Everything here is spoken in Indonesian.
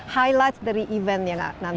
highlight dari event ya nggak nanti